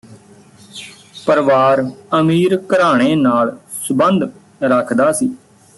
ਪਰਵਾਰ ਅਮੀਰ ਘਰਾਣੇ ਨਾਲ ਸੰਬੰਧ ਰੱਖਦਾ ਸੀ